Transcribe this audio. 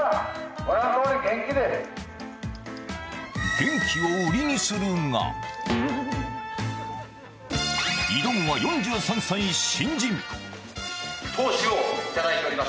元気を売りにするが挑むのは４３歳、新人。